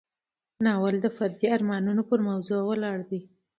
ناول د فردي ارمانونو پر موضوع ولاړ دی.